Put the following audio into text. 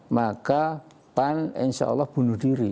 maka pan insya allah bunuh diri